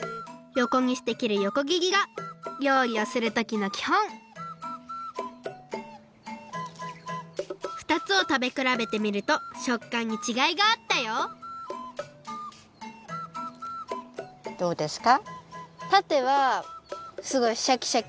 よこにして切るよこ切りが料理をするときのきほんふたつをたべくらべてみるとしょっかんにちがいがあったよどうですか？